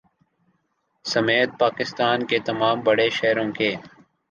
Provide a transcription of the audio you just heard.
سمیت پاکستان کے تمام بڑے شہروں کے